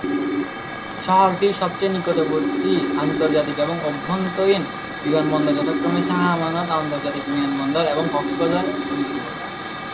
শহরটির সবচেয়ে নিকটবর্তী আন্তর্জাতিক এবং অভ্যন্তরীণ বিমানবন্দর যথাক্রমে শাহ আমানত আন্তর্জাতিক বিমানবন্দর এবং কক্সবাজার বিমানবন্দর।